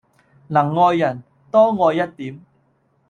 能愛人，多愛一點。